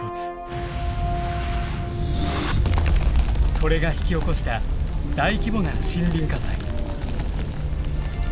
それが引き起こした大規模な森林火災。